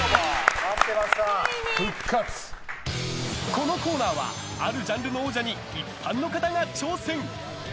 このコーナーはあるジャンルの王者に一般の方が挑戦！